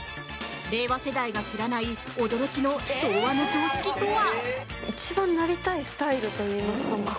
令和世代が知らない驚きの昭和の常識とは？